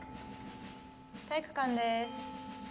体育館でーす。